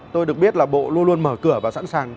tôi được biết là bộ luôn luôn mở cửa và sẵn sàng